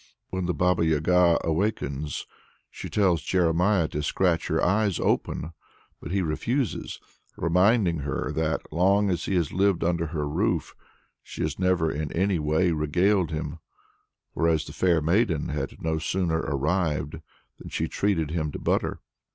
When the Baba Yaga awakes, she tells Jeremiah to scratch her eyes open, but he refuses, reminding her that, long as he has lived under her roof, she has never in any way regaled him, whereas the "fair maiden" had no sooner arrived than she treated him to butter.